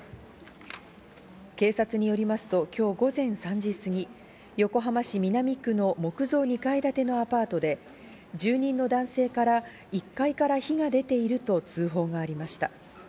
警察によりますと、今日午前３時すぎ、横浜市南区の木造２階建てのアパートで住人の男性から１階から火が出ていると通報がありました。